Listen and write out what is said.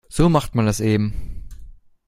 So macht man das eben.